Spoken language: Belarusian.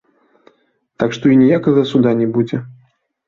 Так што і ніякага суда не будзе.